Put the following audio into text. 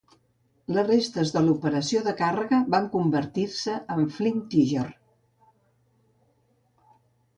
Les restes de l'operació de càrrega van convertir-se en Flying Tiger.